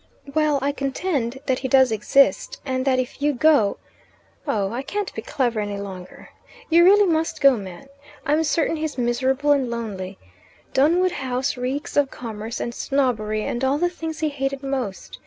"Well, I contend that he does exist, and that if you go oh, I can't be clever any longer. You really must go, man. I'm certain he's miserable and lonely. Dunwood House reeks of commerce and snobbery and all the things he hated most.